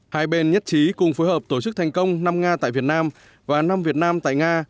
hai bên nhất trí cùng phối hợp tổ chức thành công năm nga tại việt nam và năm việt nam tại nga